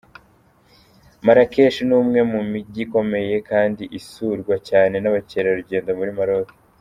Marrakech ni umwe mu mijyi ikomeye kandi isurwa cyane n’abakerarugendo muri Maroc.